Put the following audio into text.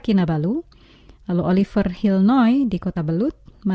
hanya dalam damai tuhan ku terima